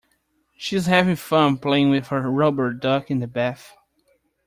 She is having fun playing with her rubber duck in the bath